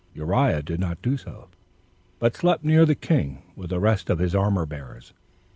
Uriah did not do so, but slept near the king with the rest of his armor bearers.